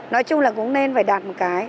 nói chung là cũng nên phải đạt một cái